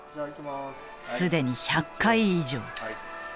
すでに１００回以上。